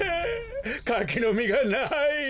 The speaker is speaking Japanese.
かきのみがない！